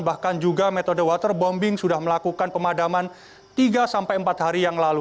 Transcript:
bahkan juga metode waterbombing sudah melakukan pemadaman tiga sampai empat hari yang lalu